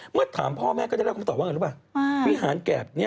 เมื่อถามพ่อแม่ก็ได้รับคำตอบว่าวิหารแกรบนี่